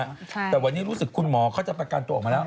แต่วันนี้รู้สึกคุณหมอเขาจะประกันตัวออกมาแล้ว